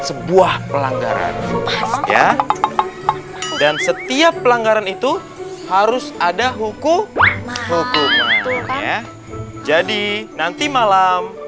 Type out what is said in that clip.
sebuah pelanggaran ya dan setiap pelanggaran itu harus ada hukum hukum ya jadi nanti malam